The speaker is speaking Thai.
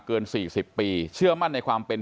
เกิน๔๐ปีเชื่อมั่นในความเป็น